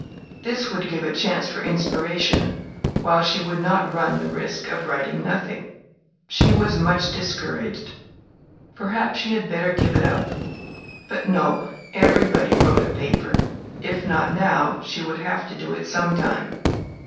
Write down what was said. This would give a chance for inspiration, while she would not run the risk of writing nothing. She was much discouraged. Perhaps she had better give it up? But, no; everybody wrote a paper: if not now, she would have to do it sometime!